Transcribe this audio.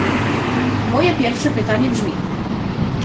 Moje pierwsze pytanie brzmi